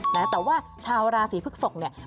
แต่แหมวะชาวราศรีภึกษกเนี่ย